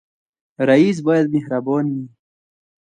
رئیس باید مهربان وي